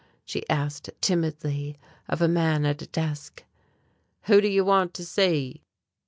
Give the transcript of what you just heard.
she asked timidly of a man at a desk. "Who do you want to see?"